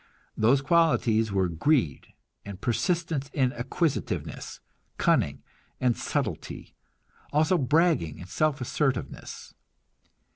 Those qualities were greed and persistence in acquisitiveness, cunning and subtlety, also bragging and self assertiveness.